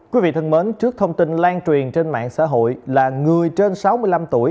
quý vị thân mến trước thông tin lan truyền trên mạng xã hội là người trên sáu mươi năm tuổi